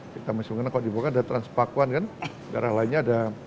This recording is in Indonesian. kita masih mengenal kalau di bukit datang sepakuan kan daerah lainnya ada